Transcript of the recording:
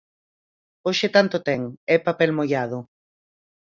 Hoxe tanto ten, é papel mollado.